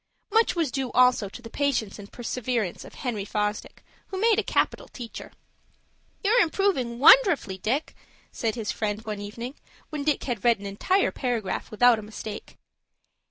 Much was due also to the patience and perseverance of Henry Fosdick, who made a capital teacher. "You're improving wonderfully, Dick," said his friend, one evening, when Dick had read an entire paragraph without a mistake.